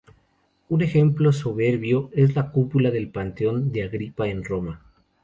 Un ejemplo soberbio es la cúpula del Panteón de Agripa en Roma.